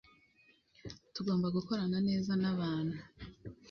tugomba gukorana neza nabantu